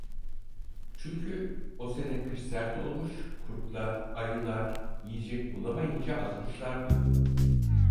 Çünkü o sene kış sert olmuş, kurtlar, ayılar yiyecek bulamayınca azmışlardı.